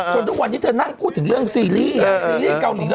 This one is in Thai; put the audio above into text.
ทุกวันนี้เธอนั่งพูดถึงเรื่องซีรีส์ซีรีส์เกาหลี